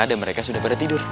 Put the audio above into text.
dan mereka sudah pada tidur